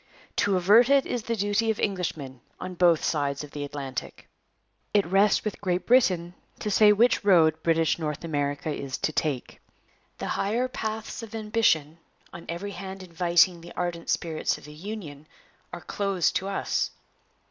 To avert it is the duty of Englishmen, on both sides of the Atlantic.' It rests with Great Britain to say which road British North America is to take. 'The higher paths of ambition, on every hand inviting the ardent spirits of the Union, are closed to us.